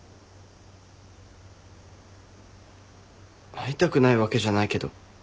会いたくないわけじゃないけど。